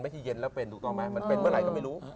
ที่เย็นแล้วเป็นถูกต้องไหมมันเป็นเมื่อไหร่ก็ไม่รู้